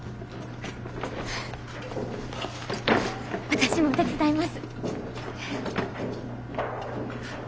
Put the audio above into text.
私も手伝います。